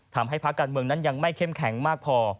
ภาคการเมืองนั้นยังไม่เข้มแข็งมากพอ